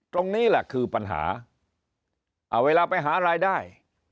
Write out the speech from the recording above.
ตรงนี้แหละคือปัญหาเอาเวลาไปหารายได้